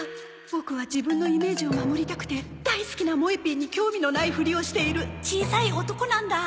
ボクは自分のイメージを守りたくて大好きなもえ Ｐ に興味のないふりをしている小さい男なんだ